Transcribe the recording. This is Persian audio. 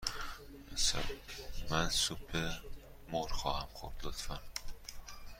من سوپ مرغ خواهم خورد، لطفاً.